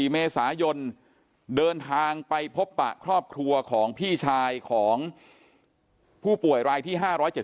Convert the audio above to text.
๔เมษายนเดินทางไปพบปะครอบครัวของพี่ชายของผู้ป่วยรายที่๕๗